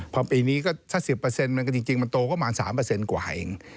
พอปีนี้ก็ถ้า๑๐จริงมันโตก็มา๓กว่าเอง